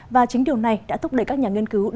và chính điều này đã thúc đẩy các nhà nghiên cứu